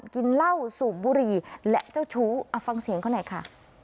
กินเหล้าสูบบุหรี่และเจ้าชู้เอาฟังเสียงเขาหน่อยค่ะ